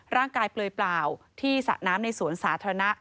ร่างกายเปลยเปล่าที่สระน้ำในสวนสาธารณะ